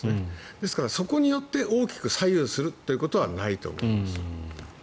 ですからそこによって大きく左右するということはないと思います。